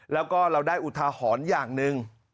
แล้วก็เราได้อุทาหรณ์อย่างหนึ่ง